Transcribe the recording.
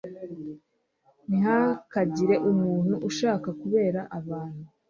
Ntihakagire umuntu ushaka kubera abantu